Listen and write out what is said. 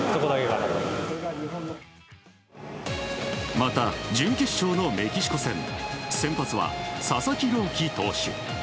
また、準決勝のメキシコ戦先発は佐々木朗希投手。